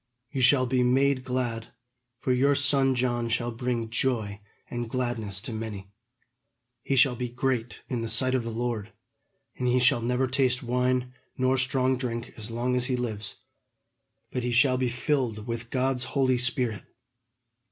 You shall be made glad, for your son John shall bring joy and gladness to many. He shall be great in the sight of the Lord; and he shall never taste wine nor strong drink as long as he lives; but he shall be filled with God's Holy Spirit.